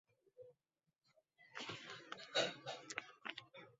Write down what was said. Men senga o‘ynab o‘tiraman dedimmi?!